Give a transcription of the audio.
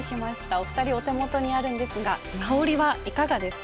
お二人、お手元にあるんですが香りはいかがですか？